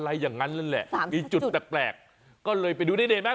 อะไรอย่างนั้นแหละสามจุดมีจุดตะแปลกก็เลยไปดูได้เห็นไหม